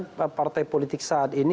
jadi saya berharap partai politik saat ini